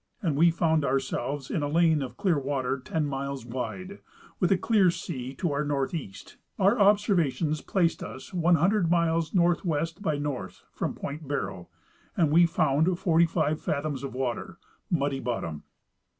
and we found ourselves in a lane of clear water ten miles wide, with a clear sea to the N. E. Our observations placed us 100 miles N. W. by N. from point Barrow, and we found 45 ttithoms of water, muddy bottom."